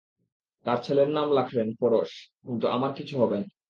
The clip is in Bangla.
তার ছেলের নাম রাখলেন পরস কিন্তু আমার কিছু হবে না।